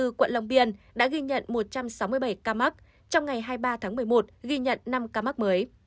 đài tư quận lòng biển đã ghi nhận một trăm sáu mươi bảy ca mắc trong ngày hai mươi ba tháng một mươi một ghi nhận năm ca mắc mới